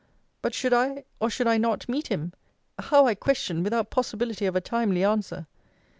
But should I, or should I not, meet him? How I question, without possibility of a timely answer!